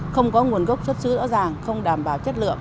không có nguồn gốc xuất xứ rõ ràng không đảm bảo chất lượng